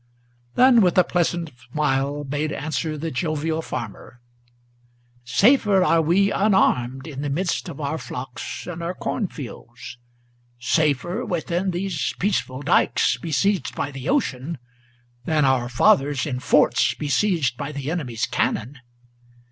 Then with a pleasant smile made answer the jovial farmer: "Safer are we unarmed, in the midst of our flocks and our cornfields, Safer within these peaceful dikes, besieged by the ocean, Than our fathers in forts, besieged by the enemy's cannon.